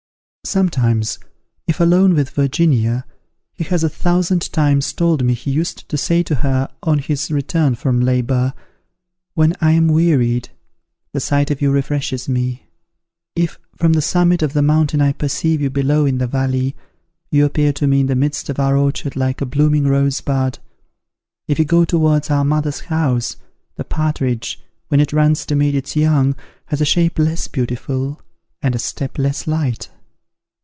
Sometimes, if alone with Virginia, he has a thousand times told me, he used to say to her, on his return from labour, "When I am wearied, the sight of you refreshes me. If from the summit of the mountain I perceive you below in the valley, you appear to me in the midst of our orchard like a blooming rose bud. If you go towards our mother's house, the partridge, when it runs to meet its young, has a shape less beautiful, and a step less light.